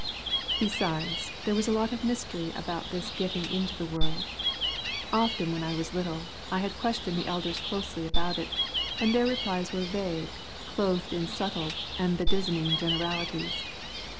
Besides there was a lot of mystery about this getting into the world. Often when I was little, I had questioned the elders closely about it, and their replies were vague, clothed in subtle and bedizzened generalities.